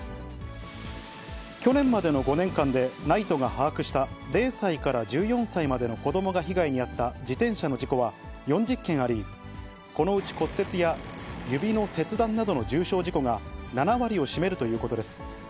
去年までの５年間でＮＩＴＥが把握した０歳から１４歳までの子どもが被害に遭った自転車の事故は４０件あり、このうち骨折や指の切断事故などの重傷事故が７割を占めるということです。